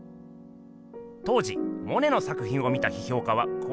当時モネの作品を見た批評家はこう言ったそうです。